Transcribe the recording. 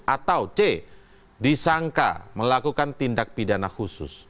atau c disangka melakukan tindak pidana khusus